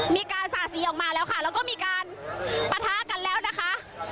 สาดสีออกมาแล้วค่ะแล้วก็มีการปะทะกันแล้วนะคะ